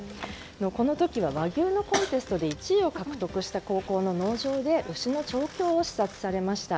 この時は、和牛のコンテストで１位を獲得した高校の農場で牛の視察をされました。